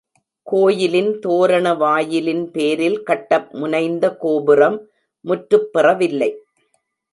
கோயிலின் தோரண வாயிலின் பேரில் கட்ட முனைந்த கோபுரம் முற்றுப் பெறவில்லை.